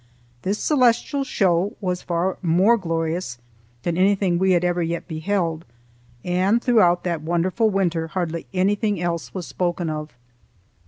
This celestial show was far more glorious than anything we had ever yet beheld, and throughout that wonderful winter hardly anything else was spoken of.